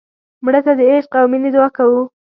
مړه ته د عشق او مینې دعا کوو